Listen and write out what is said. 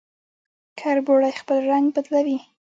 کربوړی خپل رنګ بدلوي